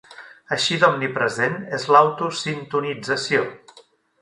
Així d'omnipresent és l'auto-sintonització.